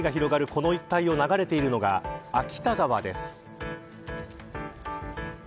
この一帯を流れているのが秋田川です。